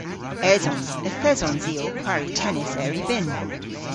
Esons. Yth esons i ow kwari tennis er y bynn.